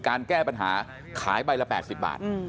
การแก้ปัญหาขายใบละ๘๐บาท